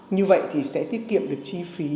như vậy thì sẽ tiết kiệm được chi phí